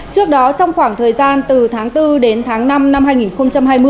trước đó trong khoảng thời gian từ tháng bốn đến tháng năm năm hai nghìn hai mươi